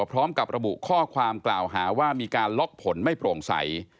พร้อมกับระบุข้อความกล่าวหาว่ามีการล็อกผลไม่โปร่งใส